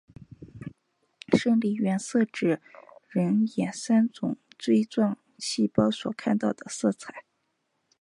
生理原色指人眼三种锥状细胞所看到的色彩。